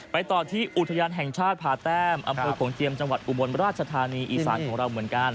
ต่อที่อุทยานแห่งชาติผ่าแต้มอำเภอโขงเจียมจังหวัดอุบลราชธานีอีสานของเราเหมือนกัน